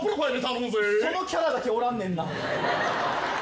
そのキャラだけおらんねんな。